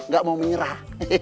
gak mau menyerah